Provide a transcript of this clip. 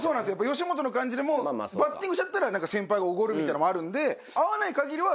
吉本の感じでもうバッティングしちゃったら先輩がおごるみたいのもあるんで。